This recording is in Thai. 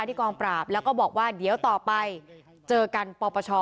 กองปราบแล้วก็บอกว่าเดี๋ยวต่อไปเจอกันปปช